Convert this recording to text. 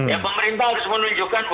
ya pemerintah harus menunjukkan